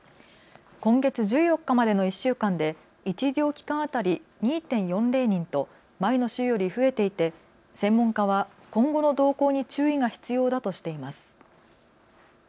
今月１４日までの１週間で１医療機関当たり２．４０人と前の週より増えていて専門家は今後の動向に注意が必要だとしています。